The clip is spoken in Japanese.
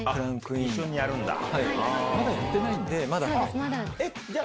まだやってないんだ。